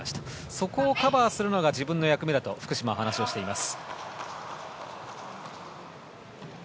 そこをカバーするのが自分の役目だと福島は話しています。